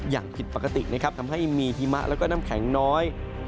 อย่างผิดปกติทำให้มีทิมะและก็น้ำแข็งน้อย